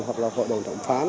hoặc là hội đồng tổng phán